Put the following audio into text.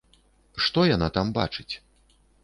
Што яна там бачыць?